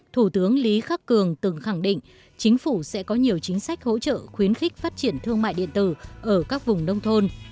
thủ tướng lý khắc cường từng khẳng định chính phủ sẽ có nhiều chính sách hỗ trợ khuyến khích phát triển thương mại điện tử ở các vùng nông thôn